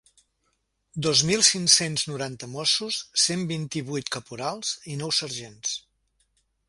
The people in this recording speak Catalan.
Dos mil cinc-cents noranta mossos, cent vint-i-vuit caporals i nou sergents.